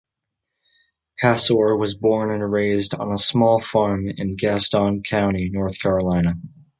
Pasour was born and raised on a small farm in Gaston County, North Carolina.